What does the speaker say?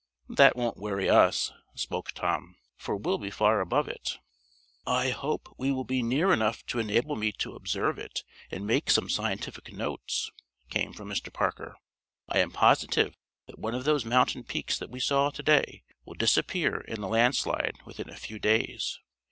"That won't worry us," spoke Tom, "for we'll be far above it." "I hope we will be near enough to enable me to observe it, and make some scientific notes," came from Mr. Parker. "I am positive that one of these mountain peaks that we saw to day will disappear in a landslide within a few days.